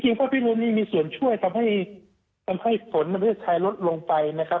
จริงพระพิรุณนี้มีส่วนช่วยทำให้ฝนในเมืองไทยลดลงไปนะครับ